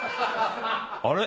あれ？